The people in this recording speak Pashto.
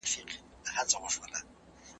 زه به سبا موسيقي اورم